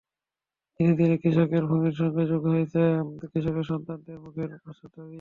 দিনে দিনে কৃষকের ভূমির সঙ্গে যোগ হয়েছে কৃষকের সন্তানদের মুখের ভাষার দাবি।